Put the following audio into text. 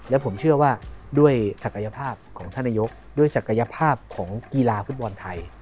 และผมเชื่อว่าด้วยศักยภาพของท่านนายกด้วยศักยภาพของกีฬาฟุตบอลไทย